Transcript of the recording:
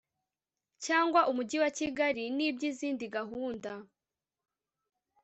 cyangwa umujyi wa kigali n iby izindi gahunda